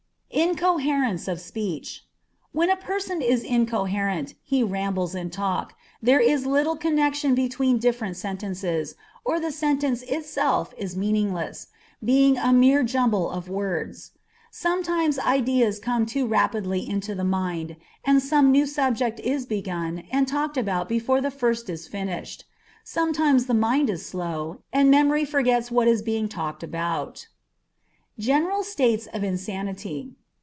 Incoherence of Speech. When a person is incoherent, he rambles in talk; there is little connection between different sentences, or the sentence itself is meaningless, being a mere jumble of words; sometimes ideas come too rapidly into the mind, and some new subject is begun and talked about before the first is finished; sometimes the mind is slow, and memory forgets what is being talked about. _General States of Insanity.